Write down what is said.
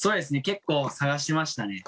結構探しましたね。